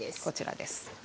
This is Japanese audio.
こちらです。